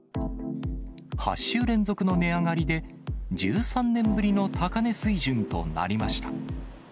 ８週連続の値上がりで、１３年ぶりの高値水準となりました。